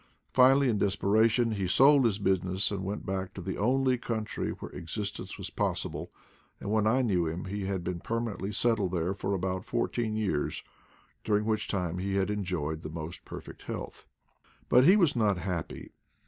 Finally, in desperation, he sold his busi ness and went back to the only country where existence was possible; and when I knew him he had been permanently settled there for about fourteen years, during which time he had enjoyed the most perfect health. But he was not happy.